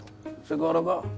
セクハラか？